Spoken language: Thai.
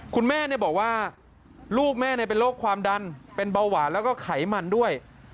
คุณแม่บอกว่าลูกแม่เป็นโรคความดันเป็นเบาหวานแล้วก็ไขมันด้วย